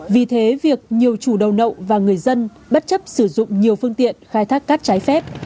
vì thế việc nhiều chủ đầu nậu và người dân bất chấp sử dụng nhiều phương tiện khai thác cát trái phép